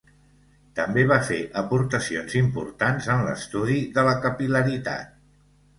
També va fer aportacions importants en l'estudi de la capil·laritat.